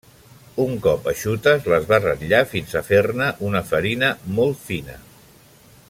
Un cop eixutes, les va ratllar fins a fer-ne una farina molt fina.